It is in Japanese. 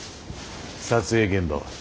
撮影現場は。